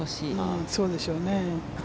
そうでしょうね。